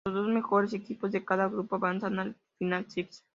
Los dos mejores equipos de cada grupo avanzan al "Final six".